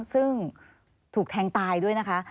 ซึ่งถูกแทงตายด้วยนะคะ